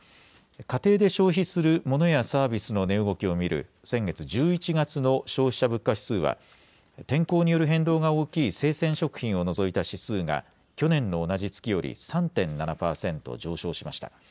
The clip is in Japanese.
家庭で消費するモノやサービスの値動きを見る先月・１１月の消費者物価指数は天候による変動が大きい生鮮食品を除いた指数が去年の同じ月より３．７％上昇しました。